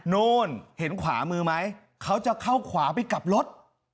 นู้นเห็นขวามือมั้ยเค้าจะเข้าขวาไปกับรถ